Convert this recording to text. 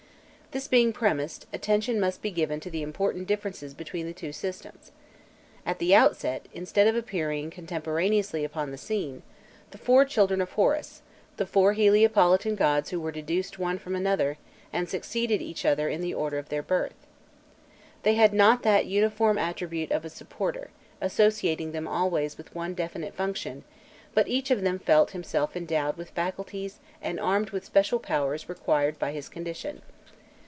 This being premised, attention must be given to the important differences between the two systems. At the outset, instead of appearing contemporaneously upon the scene, like the four children of Horus, the four Heliopolitan gods were deduced one from another, and succeeded each other in the order of their birth. They had not that uniform attribute of supporter, associating them always with one definite function, but each of them felt himself endowed with faculties and armed with special powers required by his condition.